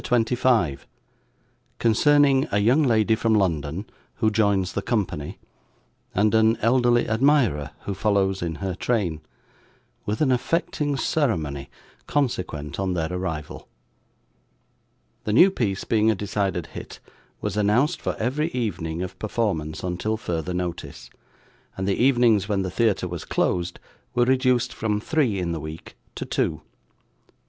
CHAPTER 25 Concerning a young Lady from London, who joins the Company, and an elderly Admirer who follows in her Train; with an affecting Ceremony consequent on their Arrival The new piece being a decided hit, was announced for every evening of performance until further notice, and the evenings when the theatre was closed, were reduced from three in the week to two.